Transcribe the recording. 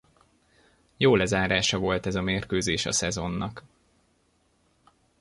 Jó lezárása volt ez a mérkőzés a szezonnak.